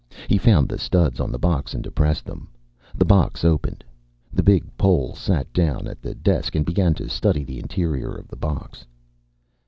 He found the studs on the box and depressed them. The box opened. The big Pole sat down at the desk and began to study the interior of the box.